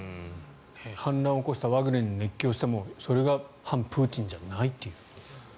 反乱を起こしたワグネルに熱狂してもそれが反プーチンじゃないと。